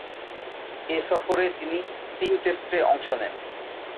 এ সফরে তিনি তিন টেস্টে অংশ নেন।